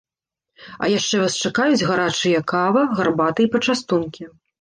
А яшчэ вас чакаюць гарачыя кава, гарбата і пачастункі.